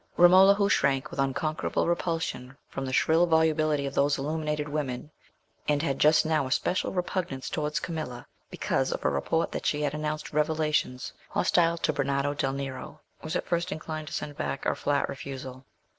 Romola, who shrank with unconquerable repulsion from the shrill volubility of those illuminated women, and had just now a special repugnance towards Camilla because of a report that she had announced revelations hostile to Bernardo del Nero, was at first inclined to send back a flat refusal.